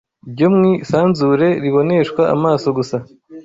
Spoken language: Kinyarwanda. byo mu isanzure riboneshwa amaso gusa